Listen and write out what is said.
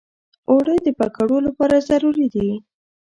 اوړه د پکوړو لپاره ضروري دي